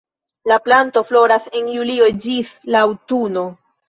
La planto floras de julio ĝis la aŭtuno.